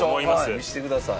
はい見せてください。